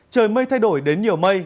trời mây thay đổi đến nhiều mây